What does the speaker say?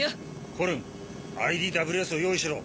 コルンＩＤＷＳを用意しろ。